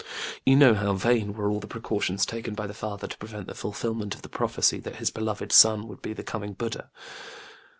You know how vain were all the precautions taken by the father to prevent the fulfilment of the prophecy that his beloved son would be the coming BudĖĢdĖĢha.